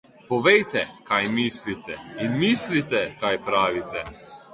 Povejte, kaj mislite in mislite, kaj pravite.